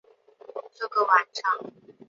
这个晚上